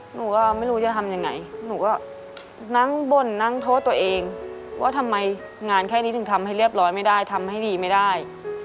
หนูก็ไม่รู้จะทำยังไงหนูก็นั่งบ่นนั่งโทษตัวเองว่าทำไมงานแค่นี้ถึงทำให้เรียบร้อยไม่ได้ทำให้ดีไม่ได้